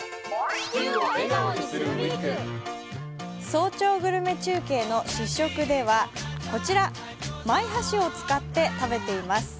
早朝グルメ中継の試食ではこちら、マイ箸を使って食べています。